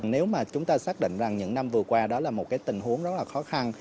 nếu mà chúng ta xác định rằng những năm vừa qua đó là một cái tình huống rất là khó khăn